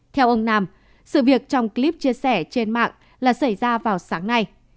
theo ông nam sự việc trong clip chia sẻ trên mạng là xảy ra vào sáng nay